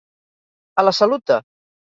A la salut de.